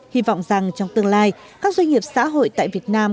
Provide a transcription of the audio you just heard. hy vọng rằng trong tương lai các doanh nghiệp xã hội tại việt nam